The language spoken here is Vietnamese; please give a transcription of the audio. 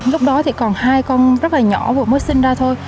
lúc đó thì còn hai con rất là nhỏ vừa mới sinh ra thôi